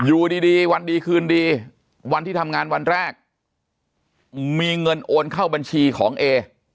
อยู่ดีดีวันดีคืนดีวันที่ทำงานวันแรกมีเงินโอนเข้าบัญชีของเอ